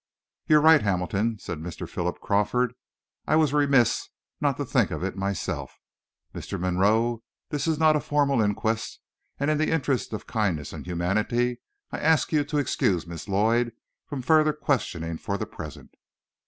"You're right Hamilton," said Mr. Philip Crawford; "I was remiss not to think of it myself. Mr. Monroe, this is not a formal inquest, and in the interest of kindness and humanity, I ask you to excuse Miss Lloyd from further questioning for the present."